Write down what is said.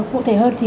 cụ thể hơn thì